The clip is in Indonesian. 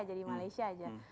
jadi malaysia aja